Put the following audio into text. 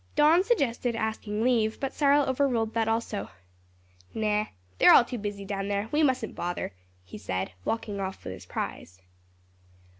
Don suggested asking leave, but Cyril overruled that also. "No; they're all too busy down there; we mustn't bother," he said, walking off with his prize.